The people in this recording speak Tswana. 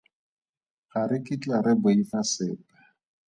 Ga re kitla re boifa sepe.